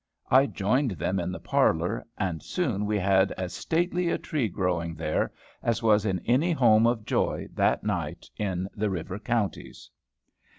I joined them in the parlor, and soon we had as stately a tree growing there as was in any home of joy that night in the river counties.